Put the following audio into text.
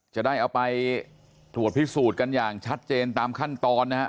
จะได้เอาไปตรวจพิสูจน์กันอย่างชัดเจนตามขั้นตอนนะฮะ